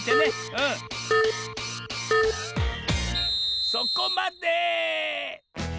うんそこまで！